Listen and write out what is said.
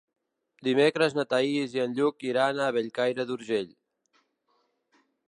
Dimecres na Thaís i en Lluc iran a Bellcaire d'Urgell.